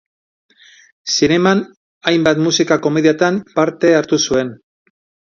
Zineman hainbat musika-komediatan parte hartu zuen.